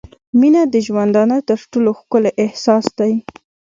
• مینه د ژوندانه تر ټولو ښکلی احساس دی.